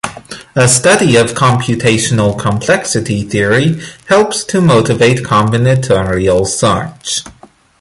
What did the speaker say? A study of computational complexity theory helps to motivate combinatorial search.